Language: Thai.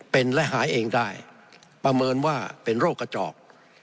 เป็นและหายเองได้ประเมินว่าเป็นโรคกระจอก